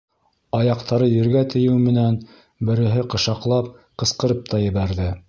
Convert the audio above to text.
Аяҡтары ергә тейеү менән береһе ҡыш аҡлап ҡысҡырып та ебәрҙе: